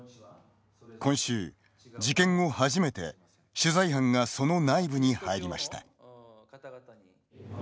今週、事件後初めて取材班がその内部に入りました。